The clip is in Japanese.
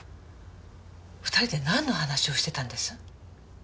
２人でなんの話をしてたんです？